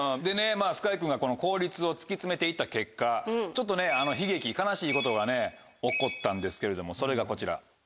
ＳＫＹ君が効率を突き詰めて行った結果ちょっと悲劇悲しいことが起こったんですけれどもそれがこちら。